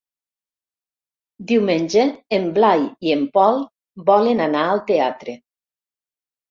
Diumenge en Blai i en Pol volen anar al teatre.